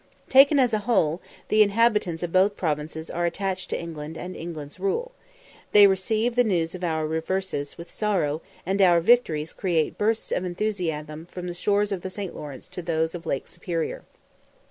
Taken as a whole, the inhabitants of both provinces are attached to England and England's rule; they receive the news of our reverses with sorrow, and our victories create a burst of enthusiasm from the shores of the St. Lawrence to those of Lake Superior.